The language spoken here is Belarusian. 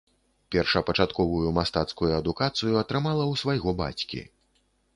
Першапачатковую мастацкую адукацыю атрымала ў свайго бацькі.